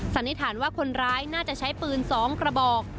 สันนิษฐานว่าคนร้ายน่าจะใช้ปืน๒กระบอก